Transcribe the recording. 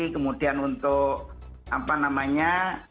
kemudian untuk apa namanya